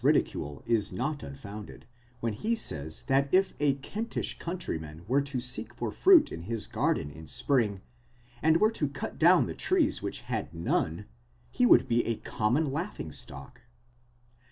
ridicule is not unfounded, when he says that if a Kentish countryman were to seek for fruit in his garden in spring, and were to cut down the trees which had none, he would be acommon laughing stock.